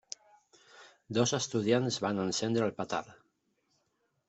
Dos estudiants van encendre el petard.